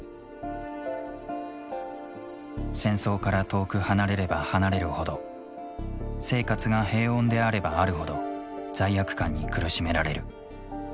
戦争から遠く離れれば離れるほど生活が平穏であればあるほど罪悪感に苦しめられる。